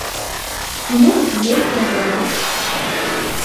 А мы весялейшыя за вас.